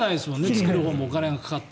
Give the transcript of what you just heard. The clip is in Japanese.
作るほうもお金がかかって。